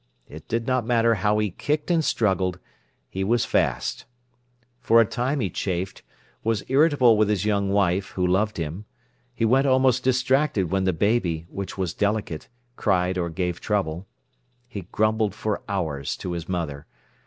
It did not matter how he kicked and struggled, he was fast. For a time he chafed, was irritable with his young wife, who loved him; he went almost distracted when the baby, which was delicate, cried or gave trouble. He grumbled for hours to his mother.